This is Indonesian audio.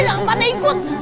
jangan pandai ikut